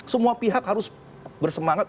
semua pihak harus bersemangat